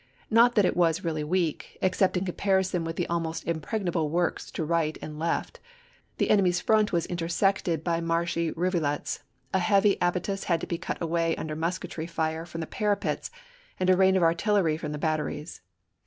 Not that it was really weak, except in comparison with the almost impregnable works to right and left : the enemy's front was intersected by marshy rivulets ; Vol. X.— 12 178 ABRAHAM LINCOLN chap. ix. a heavy abatis had to be cut away under musketry fire from the parapets and a rain of artillery from the batteries.